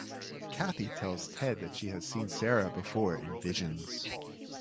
Cathy tells Ted that she has seen Sarah before in visions.